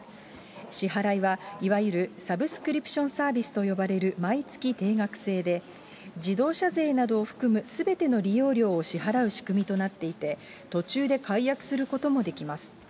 支払いは、いわゆるサブスクリプションサービスと呼ばれる毎月定額制で、自動車税などを含むすべての利用料を支払う仕組みとなっていて、途中で解約することもできます。